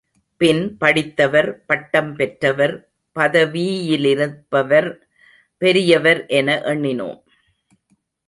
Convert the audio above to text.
பின் படித்தவர், பட்டம் பெற்றவர், பதவீயிலிருப்பவர் பெரியவர் என எண்ணினோம்.